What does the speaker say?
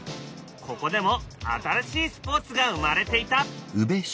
ここでも新しいスポーツが生まれていた。